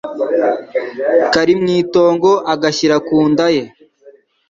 kari mu itongo agashyira ku nda ye